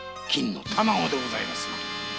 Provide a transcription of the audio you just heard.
金の卵でございますな。